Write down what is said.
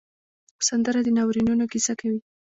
سندره د ناورینونو کیسه کوي